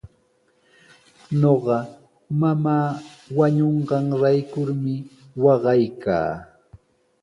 Ñuqa mamaa wañunqanraykumi waqaykaa.